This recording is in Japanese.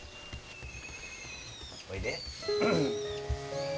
おいで。